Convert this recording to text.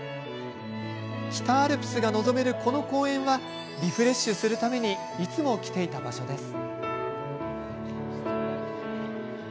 北アルプスが望めるこの公園はリフレッシュするためにいつも来ていた場所です。